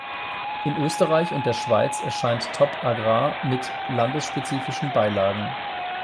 In Österreich und der Schweiz erscheint top agrar mit landesspezifischen Beilagen.